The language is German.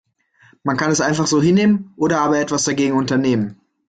Man kann es einfach so hinnehmen oder aber etwas dagegen unternehmen.